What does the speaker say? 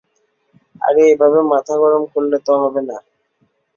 আরে, এভাবে মাথা গরম করলে তো হবে না।